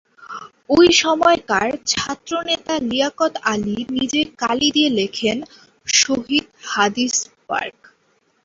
ওই সময়কার ছাত্রনেতা লিয়াকত আলী নিজে কালি দিয়ে লেখেন ‘শহীদ হাদিস পার্ক’।